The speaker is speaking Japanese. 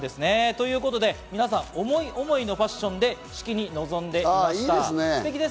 ということで皆さん、思い思いのファッションで式に臨んでいました。